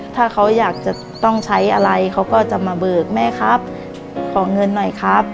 ถ้าเขาอยากจะต้องใช้อะไรเขาก็จะมาเบิกแม่ครับขอเงินหน่อยครับ